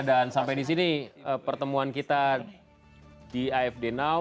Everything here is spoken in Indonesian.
dan sampai di sini pertemuan kita di afd now